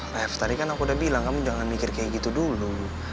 nah tadi kan aku udah bilang kamu jangan mikir kayak gitu dulu